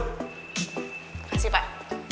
terima kasih pak